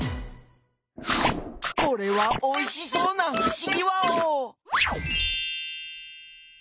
これはおいしそうなふしぎワオ！